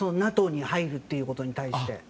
ＮＡＴＯに入るということに対して。